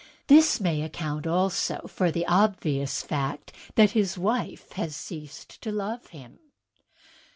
This may account also for the obvious fact that his wife has ceased to love him."